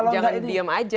jangan diam aja